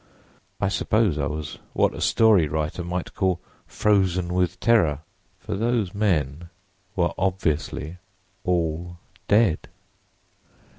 I suppose I was what a story writer might call 'frozen with terror.' For those men were obviously all dead!